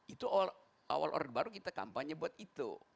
itu awal orde baru kita kampanye buat itu